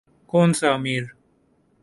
کون سا امیر۔